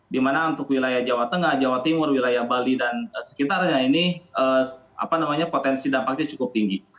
dimana untuk wilayah jawa tengah jawa timur wilayah bali dan sekitarnya ini potensi dampaknya cukup tinggi